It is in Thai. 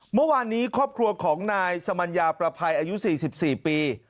เมื่อวานนี้ครอบครัวของนายสมัญญาประภัยอายุ๔๔ปี